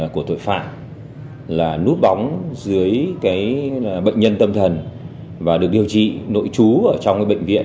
của tội phạm là nút bóng dưới cái bệnh nhân tâm thần và được điều trị nội trú ở trong cái bệnh viện